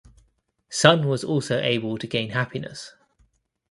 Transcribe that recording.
Sun was also able to gain happiness.